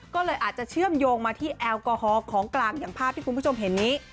ก็เลยอาจจะเชื่อมโยงมาที่แอลกอฮอลของกลางอย่างภาพที่คุณผู้ชมเห็นนี้